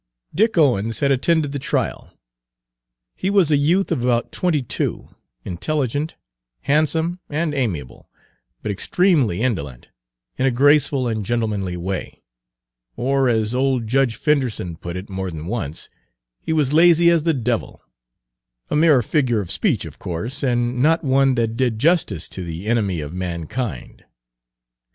Dick Owens had attended the trial. He was a youth of about twenty two, intelligent, handsome, and amiable, but extremely indolent, in a graceful and gentlemanly way; or, as old Judge Fenderson put it more than once, he was lazy as the Devil, a mere figure of speech, of course, and not one that did justice to the Enemy of Mankind.